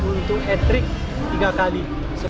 untuk hat trick tiga kali